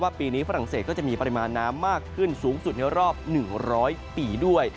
ปีนี้ฝรั่งเศสก็จะมีปริมาณน้ำมากขึ้นสูงสุดในรอบ๑๐๐ปีด้วย